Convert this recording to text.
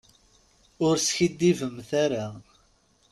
Ur skiddibemt ara.